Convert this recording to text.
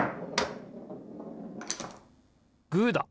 グーだ！